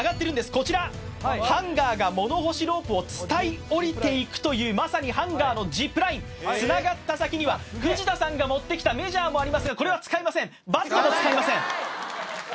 こちらハンガーが物干しロープを伝い下りていくというまさにハンガーのジップラインつながった先には藤田さんが持ってきたメジャーもありますがこれは使いませんバットも使いません